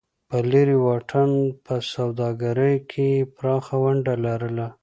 په لرې واټن په سوداګرۍ کې یې پراخه ونډه لرله.